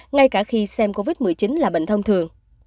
ngay cả khi xem covid một mươi chín là bệnh thông thường